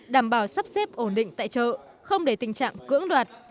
đảm bảo sắp xếp ổn định tại chợ không để tình trạng cưỡng đoạt